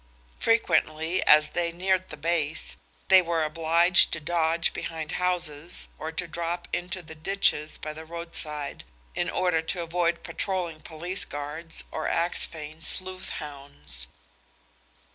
Frequently, as they neared the base, they were obliged to dodge behind houses or to drop into the ditches by the roadside in, order to avoid patroling police guards or Axphain sleuth hounds.